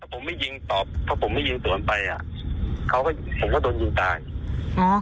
ถ้าผมไม่ยิงตอบถ้าผมไม่ยิงส่วนไปผมก็โดนยิงตาย